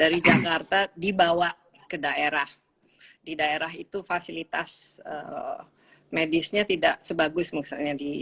dari jakarta dibawa ke daerah di daerah itu fasilitas medisnya tidak sebagus misalnya di